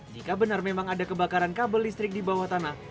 jika benar memang ada kebakaran kabel listrik di bawah tanah